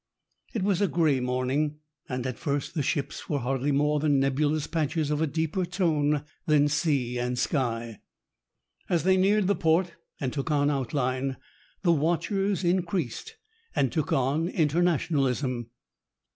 It was a gray morning, and at first the ships were hardly more than nebulous patches of a deeper tone than sea and sky. As they neared the port, and took on outline, the watchers increased, and took on internationalism.